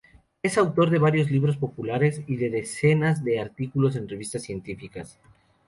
Es autor de varios libros populares y de decenas de artículos en revistas científicas.